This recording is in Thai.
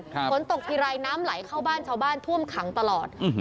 ฝนตกทีไรน้ำไหลเข้าบ้านชาวบ้านท่วมขังตลอดอืม